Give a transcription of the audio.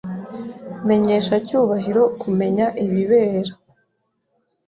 Menyesha Cyubahiro kumenya ibibera.